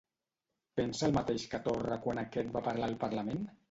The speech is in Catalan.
Pensa el mateix que Torra quan aquest va parlar al Parlament?